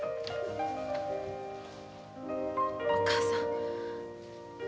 お母さん。